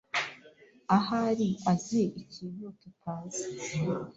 Ahari azi ikintu tutazi.